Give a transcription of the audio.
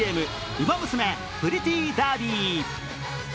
「ウマ娘プリティーダービー」